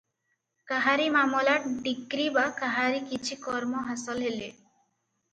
କାହାରି ମାମଲା ଡିକ୍ରୀ ବା କାହାରି କିଛି କର୍ମ ହାସଲ ହେଲେ